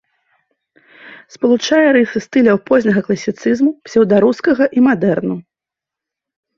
Спалучае рысы стыляў позняга класіцызму, псеўдарускага і мадэрну.